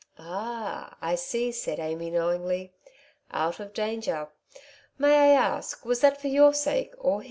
"Ah, I see," said Amy knowingly; "out of danger. May I ask, was that for your sake, or his ?